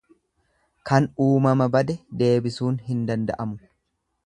Kan uumama bade deebisuun hin danda'amu.